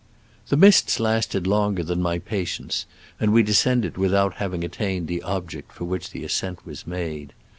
The mists lasted longer than my pa tience, and we descended without hav ing attained the object for which the ascent was made.